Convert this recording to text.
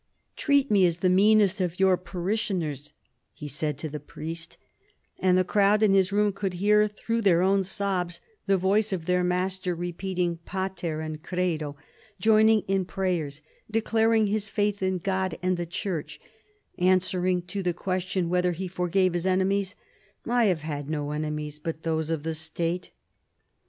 "Treat me as the meanest of your parishioners," he said to the priest ; and the crowd in his room could hear, through their own sobs, the voice of their master repeating Pater and Credo, joining in prayers, declaring his faith in God and the Church, answering to the question whether he forgave his enemies :" I have had no enemies but those of the State."